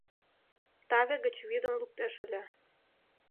Таве гыч вӱдым луктеш ыле.